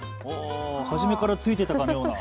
初めからついていたかのような。